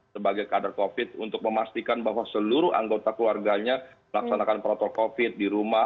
sebagai kader covid untuk memastikan bahwa seluruh anggota keluarganya melaksanakan protokol covid di rumah